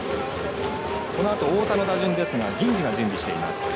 このあと太田の打順ですが銀次が準備しています。